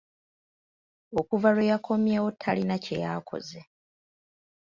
Okuva lwe yakomyewo talina kye yaakoze.